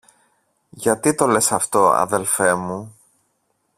Γιατί το λες αυτό, αδελφέ μου;